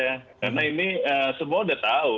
karena ini semua udah tau